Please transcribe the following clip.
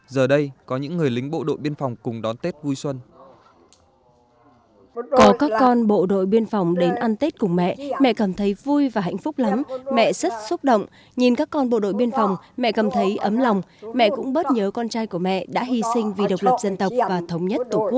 giờ đây có những người lính bộ đội biên phòng cùng đón tết vui xuân